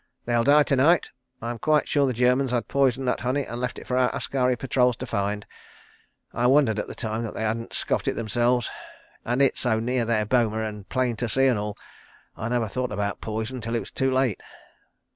"They'll die to night. I'm quite sure the Germans had poisoned that honey and left it for our askari patrols to find. I wondered at the time that they 'adn't skoffed it themselves. ... And it so near their boma and plain to see, an' all. ... I never thought about poison till it was too late.